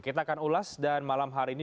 kita akan ulas dan malam hari ini